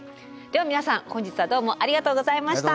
では皆さん本日はどうもありがとうございました。